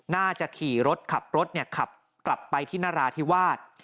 น่าจะขี่รถขับรถขับกลับไปที่นราธิวาส